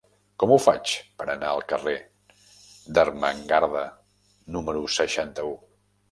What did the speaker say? Com ho faig per anar al carrer d'Ermengarda número seixanta-u?